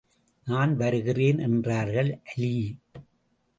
நான் வருகிறேன் என்றார்கள் அலீ.